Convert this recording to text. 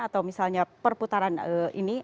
atau misalnya perputaran ini